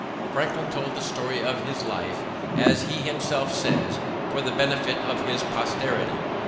Franklin told the story of his life, as he himself says, for the benefit of his posterity.